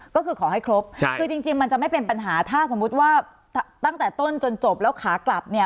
ก็คือขอให้ครบคือจริงมันจะไม่เป็นปัญหาถ้าสมมุติว่าตั้งแต่ต้นจนจบแล้วขากลับเนี่ย